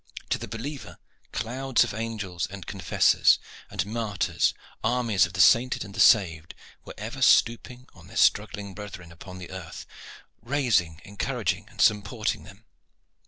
To the believer, clouds of angels and confessors, and martyrs, armies of the sainted and the saved, were ever stooping over their struggling brethren upon earth, raising, encouraging, and supporting them.